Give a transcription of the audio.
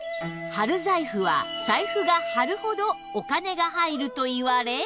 春財布は財布が張るほどお金が入るといわれ